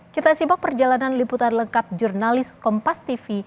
kita simak perjalanan liputan lengkap jurnalis kompastv